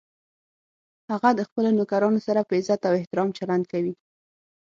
هغه د خپلو نوکرانو سره په عزت او احترام چلند کوي